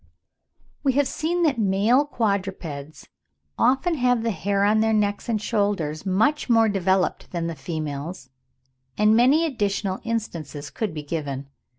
We have seen that male quadrupeds often have the hair on their necks and shoulders much more developed than the females; and many additional instances could be given.